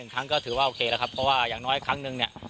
เพราะว่าอย่างน้อยครั้งหนึ่งเนี่ย